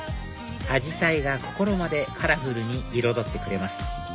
アジサイが心までカラフルに彩ってくれます